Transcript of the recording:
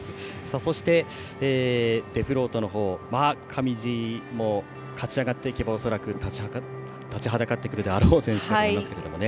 そして、デフロート上地も勝ち上がっていけば恐らく立ちはだかってくるであろう選手だと思いますけどね。